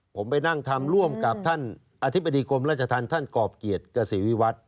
ผมไปนั่งทำร่วมกับท่านอธิบดีกรมราชธรรมท่านกรอบเกียรติกษีวิวัตร